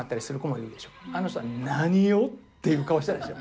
あの人は「なにを！？」っていう顔したでしょ。